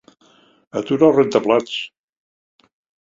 Atura el rentaplats.